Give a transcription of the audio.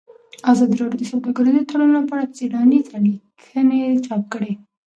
ازادي راډیو د سوداګریز تړونونه په اړه څېړنیزې لیکنې چاپ کړي.